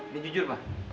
ini jujur pak